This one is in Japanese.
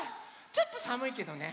ちょっとさむいけどね。